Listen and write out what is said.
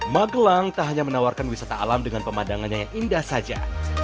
magelang tak hanya menawarkan wisata alam dengan pemandangannya yang indah saja